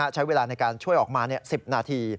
ใช้เวลาในการช่วยออกมา๑๐นาที